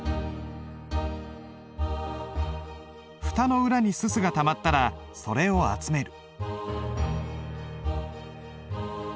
蓋の裏に煤がたまったらそれを集める。